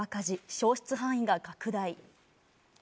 焼失範囲が拡大。